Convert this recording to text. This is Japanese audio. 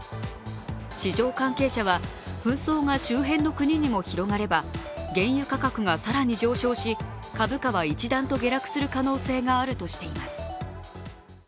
市場関係者は紛争が周辺の国にも広がれば原油価格が更に上昇し株価は一段と下落する可能性があるとしています。